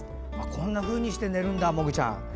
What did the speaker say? こんなふうにして寝るんだもぐちゃん。